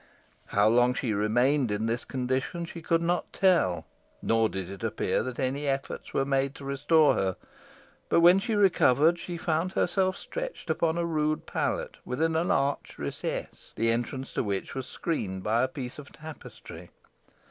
How long she remained in this condition she could not tell, nor did it appear that any efforts were made to restore her; but when she recovered, she found herself stretched upon a rude pallet within an arched recess, the entrance to which was screened by a piece of tapestry.